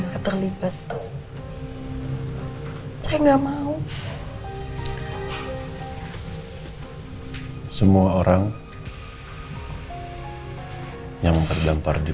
ya terima kasih sekali lagi pak bermadi